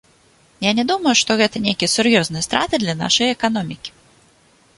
Я не думаю, што гэта нейкія сур'ёзныя страты для нашай эканомікі.